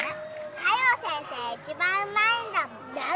加用先生一番うまいんだもん。